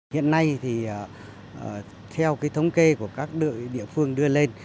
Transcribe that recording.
hiện nay theo thống kê của các địa phương đưa lên